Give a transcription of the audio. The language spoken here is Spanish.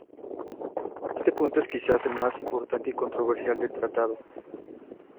Este punto es quizás el más importante y controversial del tratado.